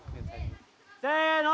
せの。